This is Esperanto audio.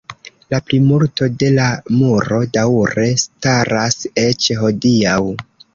La plimulto de la muro daŭre staras eĉ hodiaŭ.